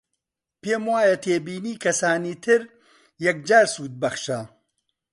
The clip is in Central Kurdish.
پێم وایە تێبینی کەسانی تر یەکجار سوودبەخشە